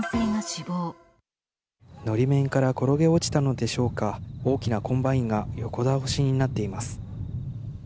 のり面から転げ落ちたのでしょうか、大きなコンバインが横倒しになっています。